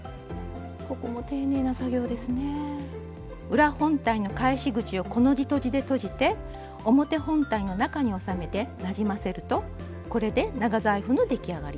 裏本体の返し口をコの字とじでとじて表本体の中に収めてなじませるとこれで長財布の出来上がりです。